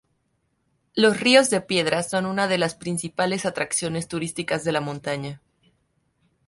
Los ríos de piedra son una de las principales atracciones turísticas de la montaña.